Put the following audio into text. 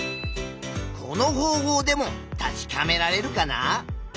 この方法でも確かめられるかな？